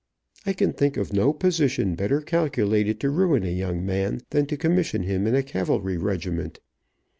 I can think of no position better calculated to ruin a young man than to commission him in a cavalry regiment.